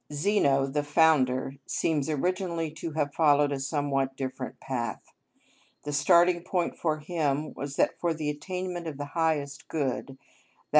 Zeno, the founder, seems originally to have followed a somewhat different path. The starting point with him was that for the attainment of the highest good, _i.